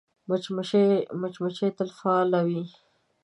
مچمچۍ تل فعاله وي